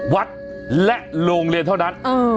วัดและโรงเรียนเท่านั้น